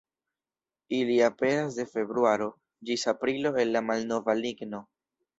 Ili aperas de februaro ĝis aprilo el la malnova ligno.